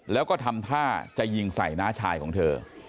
แล้วก็ทำท่าจะยิงใส่น้าชายของเธอ